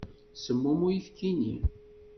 Semmum uyefki-nni.